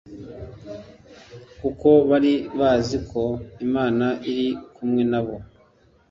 kuko bari bazi ko Imana iri kumwe na bo